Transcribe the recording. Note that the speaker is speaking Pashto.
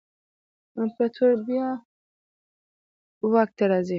امپراتور به بیا واک ته راځي.